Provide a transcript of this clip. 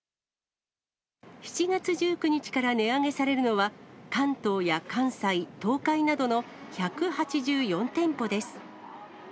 ７月１９日から値上げされるのは、関東や関西、東海などの１８４店舗です。